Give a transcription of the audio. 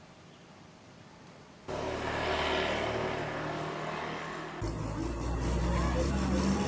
kalau tanahnya itu warisan dari ibu